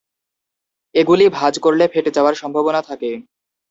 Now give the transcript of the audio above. এগুলি ভাঁজ করলে ফেটে যাওয়ার সম্ভাবনা থাকে।